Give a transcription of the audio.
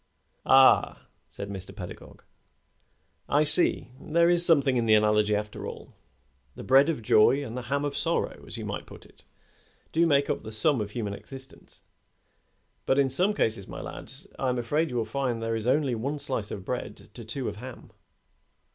"Ah!" said Mr. Pedagog. "I see. There is something in the analogy, after all. The bread of joy and the ham of sorrow, as you might put it; do make up the sum of human existence; but in some cases, my lad, I am afraid you will find there is only one slice of bread to two of ham."